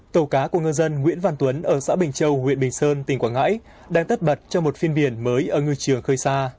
tòa dân nguyễn văn tuấn ở xã bình châu huyện bình sơn tỉnh quảng ngãi đang tất bật cho một phiên biển mới ở ngư trường khơi xa